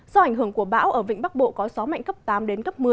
do ảnh hưởng của bão ở vĩnh bắc bộ có gió mạnh cấp tám đến cấp một mươi